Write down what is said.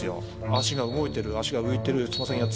足が動いてる足が浮いてる。